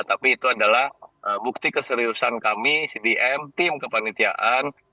tapi itu adalah bukti keseriusan kami cdm tim kepanitiaan